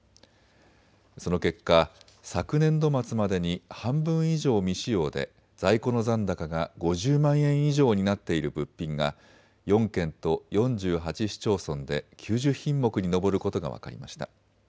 その結果、昨年度末までに半分以上未使用で在庫の残高が５０万円以上になっている物品が４県と４８市町村で９０品目に上ることが分かりました。